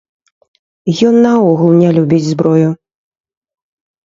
Ён наогул не любіць зброю.